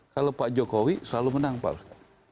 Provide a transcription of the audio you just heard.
kalau pak jokowi selalu menang pak ustadz